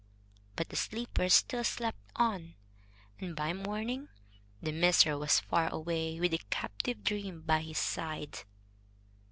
But the sleepers still slept on, and by morning the miser was far away, with the captive dream by his side.